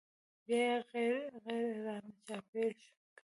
بيا يې غېږ رانه چاپېره کړه.